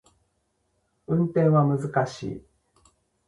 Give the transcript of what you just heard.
運転は難しい